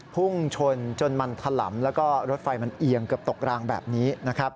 พุ่งชนจนมันถล่ำแล้วก็รถไฟมันเอียงเกือบตกรางแบบนี้นะครับ